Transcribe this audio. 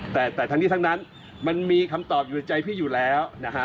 แต่ทั้งนี้ทั้งนั้นมันมีคำตอบอยู่ในใจพี่อยู่แล้วนะฮะ